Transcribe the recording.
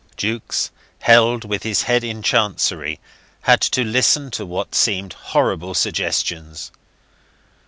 Jukes, held with his head in chancery, had to listen to what seemed horrible suggestions.